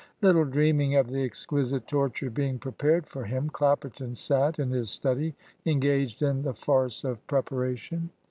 Little dreaming of the exquisite torture being prepared for him, Clapperton sat in his study engaged in the farce of preparation.